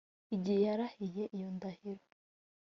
igihe yarahiye iyo ndahiro